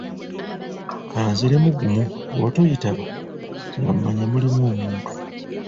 Ka nziremu gumu bw'otoyitaba nga mmanya mulimu omuntu.